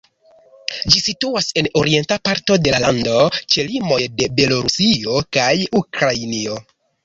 Ĝi situas en orienta parto de la lando ĉe limoj de Belorusio kaj Ukrainio.